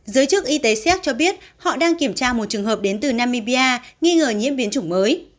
giới chức y tế séc cho biết họ đang kiểm tra một trường hợp đến từ namibia nghi ngờ nhiễm biến chủng mới